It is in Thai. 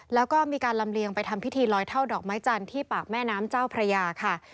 แล้วก็มีการลำเลียงไปทำพิธีลอยเท่าดอกไม้จันทร์ที่ปากแม่น้ำเจ้าพระยาค่ะ